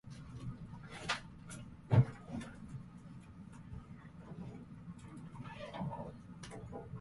世界で誰かがウェイティング、小池ユニバースです。